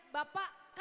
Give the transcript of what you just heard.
bapak sudah cukup lama